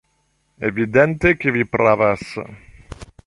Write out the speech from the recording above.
Evidente, ke vi pravas!